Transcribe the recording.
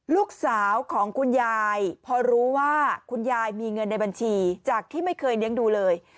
ลูกสาวของคุณยายพอรู้ว่าคุณยายมีเงินในบัญชีจากที่ไม่เคยเลี้ยงดูเลย